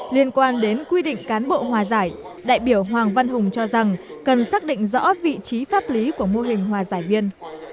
liên quan đến quy định cán bộ hòa giải đại biểu hoàng văn hùng cho rằng cần xác định rõ vị trí pháp lý của mô hình hòa giải viên